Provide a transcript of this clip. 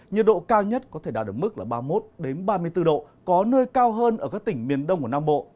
nhiệt độ cao nhất có thể đạt được mức là ba mươi một ba mươi bốn độ có nơi cao hơn ở các tỉnh miền đông của nam bộ